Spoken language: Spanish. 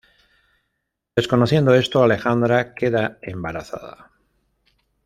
Desconociendo esto, Alejandra queda embarazada.